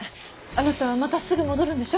あなたまたすぐ戻るんでしょ？